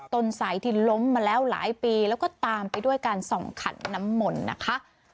ต้นสายที่ล้มมาแล้วหลายปีแล้วก็ตามไปด้วยการส่องขันน้ำมนต์นะคะ